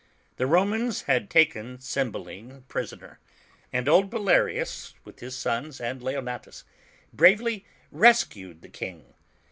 The Romans had taken Cymbeline prisoner, and old Bellarius, with his sons and Leonatus, bravely rescued the King.